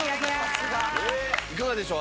いかがでしょう？